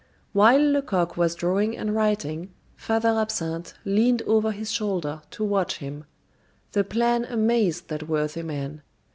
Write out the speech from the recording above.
While Lecoq was drawing and writing, Father Absinthe leaned over his shoulder to watch him. The plan amazed that worthy man.